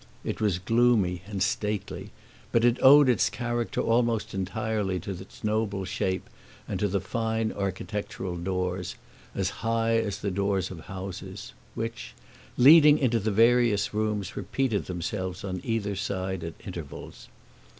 It was gloomy and stately, but it owed its character almost entirely to its noble shape and to the fine architectural doors as high as the doors of houses which, leading into the various rooms, repeated themselves on either side at intervals.